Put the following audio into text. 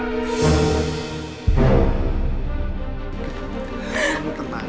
kamu tenang aja sayang